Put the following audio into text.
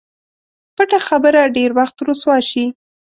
پټه خبره ډېر وخت رسوا شي.